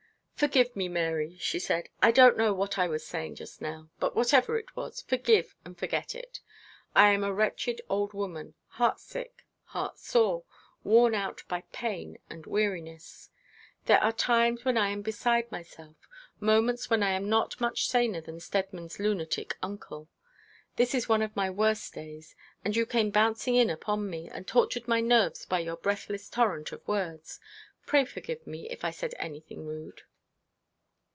'Forgive me, Mary,' she said. 'I don't know what I was saying just now; but whatever it was, forgive and forget it. I am a wretched old woman, heart sick, heart sore, worn out by pain and weariness. There are times when I am beside myself; moments when I am not much saner than Steadman's lunatic uncle. This is one of my worst days, and you came bouncing in upon me, and tortured my nerves by your breathless torrent of words. Pray forgive me, if I said anything rude.'